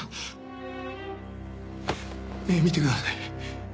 目見てください。